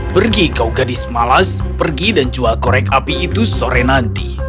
pergi kau gadis malas pergi dan jual korek api itu sore nanti